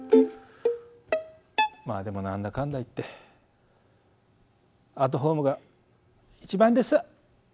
まあでも何だかんだ言ってアットホームが一番です。